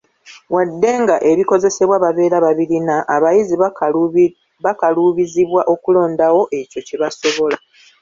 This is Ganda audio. Wadde nga ebikozesebwa babeera babirina, abayizi bakaluubizibwa okulondawo ekyo kye basobola.